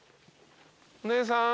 お姉さん。